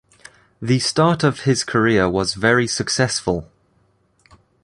The start of his career was very successful.